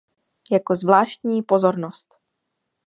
Jako zvláštní pozornost!